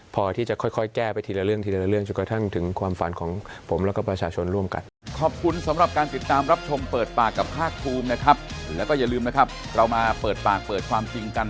พอที่จะค่อยแก้ไปทีละเรื่องทีละเรื่องจนกระทั่งถึงความฝันของผมแล้วก็ประชาชนร่วมกัน